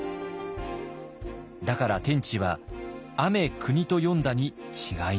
だから「天地」は「アメクニ」と読んだに違いない。